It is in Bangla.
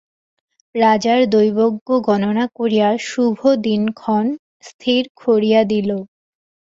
রাজার দৈবজ্ঞ গণনা করিয়া শুভ দিনক্ষণ স্থির করিয়া দিল।